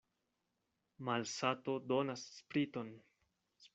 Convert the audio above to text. Malsato donas spriton.